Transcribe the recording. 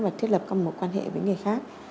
và thiết lập mối quan hệ với những người khác